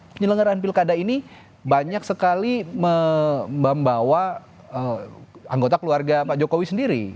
penyelenggaraan pilkada ini banyak sekali membawa anggota keluarga pak jokowi sendiri